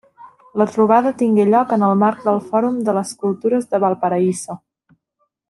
La trobada tingué lloc en el marc del Fòrum de les Cultures de Valparaíso.